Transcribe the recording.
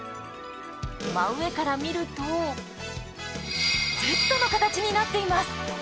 真上から見るとＺの形になっています。